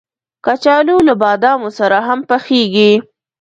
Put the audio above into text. کچالو له بادامو سره هم پخېږي